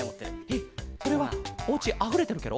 えっそれはおうちあふれてるケロ？